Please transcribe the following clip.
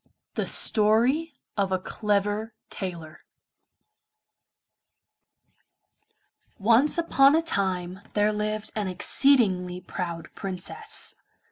THE STORY OF A CLEVER TAILOR Once upon a time there lived an exceedingly proud Princess.